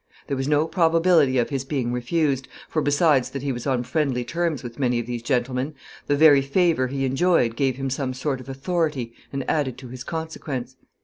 "There was no probability of his being refused, for, besides that he was on friendly terms with many of these gentlemen, the very favor he enjoyed gave him some sort of authority and added to his consequence.